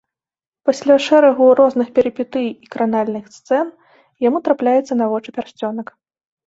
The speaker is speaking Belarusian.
Пасля шэрагу розных перыпетый і кранальных сцэн яму трапляецца на вочы пярсцёнак.